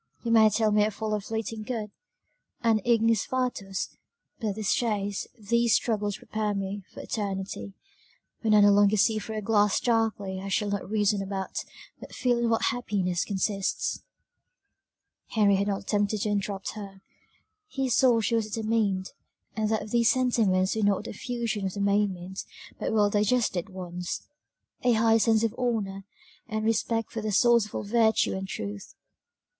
you may tell me I follow a fleeting good, an ignis fatuus; but this chase, these struggles prepare me for eternity when I no longer see through a glass darkly I shall not reason about, but feel in what happiness consists." Henry had not attempted to interrupt her; he saw she was determined, and that these sentiments were not the effusion of the moment, but well digested ones, the result of strong affections, a high sense of honour, and respect for the source of all virtue and truth.